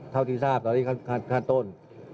เท่าที่ทราบตอนนี้ขั้นต้น๒๑